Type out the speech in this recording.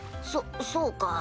そそうか。